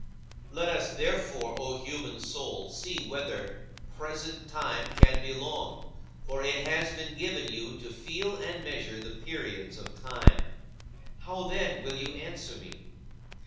19. Let us, therefore, O human soul, see whether present time can be long, for it has been given you to feel and measure the periods of time. How, then, will you answer me?